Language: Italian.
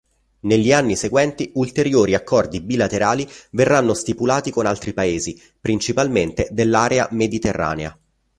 Negli anni seguenti ulteriori accordi bilaterali verranno stipulati con altri Paesi, principalmente dell'area mediterranea.